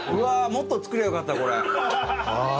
もっと作りゃよかったこれ。